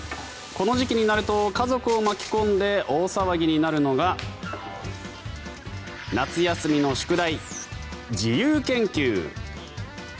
この時期になると家族を巻き込んで大騒ぎになるのが夏休みの宿題、自由研究。